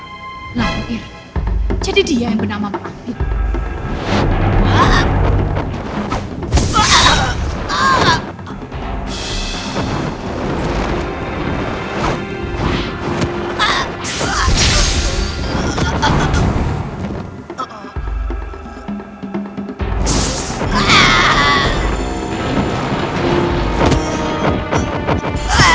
lahir jadi dia yang benama bangkit